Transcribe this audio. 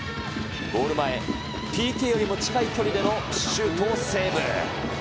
ゴール前、ＰＫよりも近い距離でのシュートをセーブ。